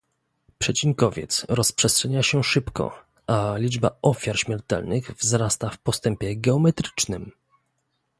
Przecinkowiec rozprzestrzenia się szybko, a liczba ofiar śmiertelnych wzrasta w postępie geometrycznym